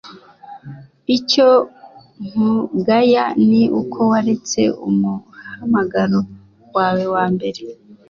icyo nkugaya ni uko waretse umuhamagaro wawe wambere